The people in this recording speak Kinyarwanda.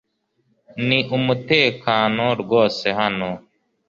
Ni umutekano rwose hano .